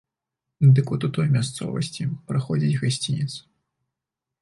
Дык от у той мясцовасці праходзіць гасцінец.